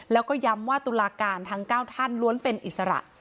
แล้วก็ย้ำว่าตุลาการทั้ง๙ท่านล้วนเป็นอิสระ